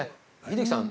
英樹さん